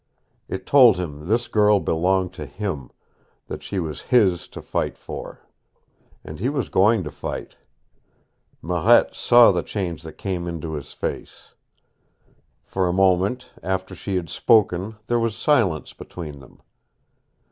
It told him this girl belonged to him, that she was his to fight for. And he was going to fight. Marette saw the change that came into his face. For a moment after she had spoken there was silence between them.